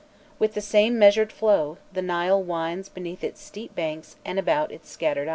With the same measured flow, the Nile winds beneath its steep banks and about its scattered islands.